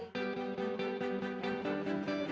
iya kita kasih bantal